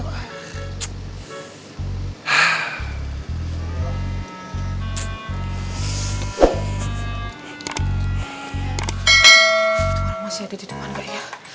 orang masih ada di depan gak ya